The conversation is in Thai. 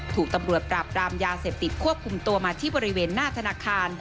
ถูกตำรวจปราบรามยาเสพติดควบคุมตัวมาที่บริเวณหน้าธนาคาร